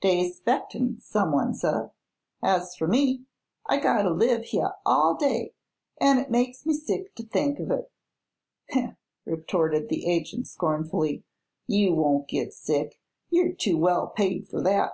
"Dey's 'spectin' some one, seh. As fer me, I gotta live heah all day, an' it makes me sick teh think of it." "Heh!" retorted the agent, scornfully; "you won't git sick. You're too well paid fer that."